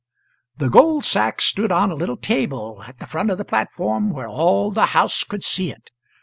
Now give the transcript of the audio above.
The gold sack stood on a little table at the front of the platform where all the house could see it.